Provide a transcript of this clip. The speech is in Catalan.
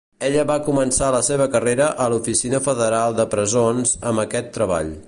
Ella va començar la seva carrera a l'Oficina Federal de Presons amb aquest treball.